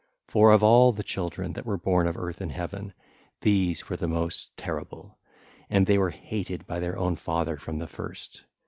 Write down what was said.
For of all the children that were born of Earth and Heaven, these were the most terrible, and they were hated by their own father from the first.